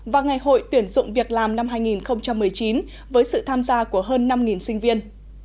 và ngày hội tuyển dụng việc làm năm hai nghìn một mươi chín với sự tham gia của hơn năm sinh viên